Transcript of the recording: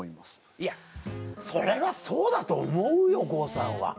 いやそれはそうだと思うよ郷さんは。